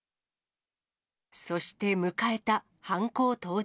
そして迎えた犯行当日。